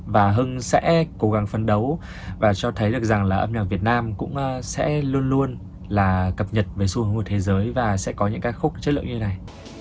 và hưng sẽ cố gắng phấn đấu và cho thấy được rằng là âm nhạc việt nam cũng sẽ luôn luôn là cập nhật về xu hướng của thế giới và sẽ có những ca khúc chất lượng như này